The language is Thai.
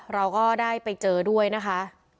เราก็ได้ไปเจอด้วยนะคะ